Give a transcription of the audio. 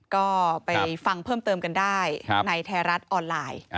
ก็ไปฟังเพิ่มเติมกันได้ในไทยรัฐออนไลน์